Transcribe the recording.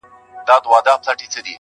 ستا له خندا نه الهامونه د غزل را اوري_